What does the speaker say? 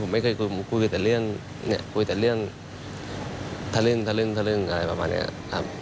ผมไม่เคยคุยแต่เรื่องเนี่ยคุยแต่เรื่องทะลึ่งทะลึ่งทะลึ่งอะไรประมาณนี้ครับ